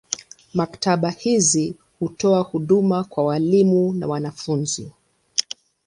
Maktaba hizi hutoa huduma kwa walimu na wanafunzi.